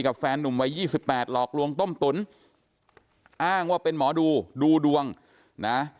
กับแฟนหนุ่มวัยยี่สิบแปดหลอกลวงต้มตุ๋นอ้างว่าเป็นหมอดูดูดวงนะ